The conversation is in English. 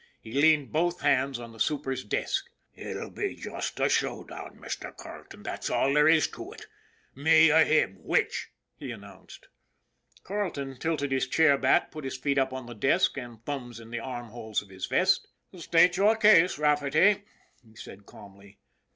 He leaned both hands on the super's desk. " Ut'll be just a show down, Mr. Carleton, that's all there is to ut. Me or him, which ?" he announced. Carleton tilted his chair back, put his feet up on the desk and his thumbs in the armholes of his vest. " State your case, Rafferty," he said calmly.